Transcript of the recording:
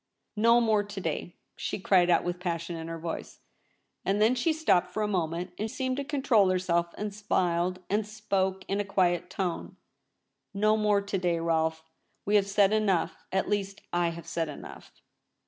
* No more to day !' she cried out with pas sion in her voice ; and then she stopped for a moment and seemed to control herself, and smiled, and spoke in a quiet tone. ' No more to day, Rolfe. We have said enough — at least, I have said enough.'